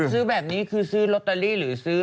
ซื้อแบบนี้คือซื้อลอตเตอรี่หรือซื้อ